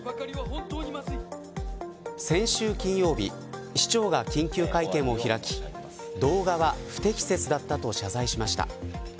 先週金曜日市長が緊急会見を開き動画は不適切だったと謝罪しました。